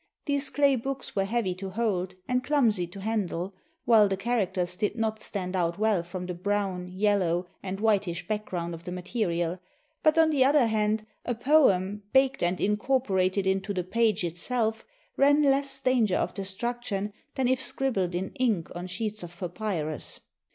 These clay books were heavy to hold and clumsy to handle, while the charac ters did not stand out well from the brown, yellow, and whitish background of the material; but, on the other hand, a poem, baked and incorporated into the page itself, ran less danger of destruction than if scribbled in ink on sheets of papyrus.